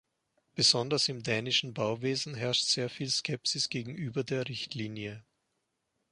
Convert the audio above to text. Besonders im dänischen Bauwesen herrscht sehr viel Skepsis gegenüber der Richtlinie.